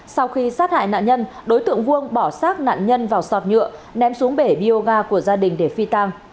sau khi sát hại nạn nhân đối tượng vuông bỏ sát nạn nhân vào sọt nhựa ném xuống bể bioga của gia đình để phi tang